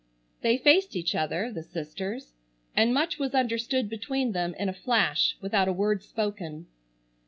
They faced each other, the sisters, and much was understood between them in a flash without a word spoken.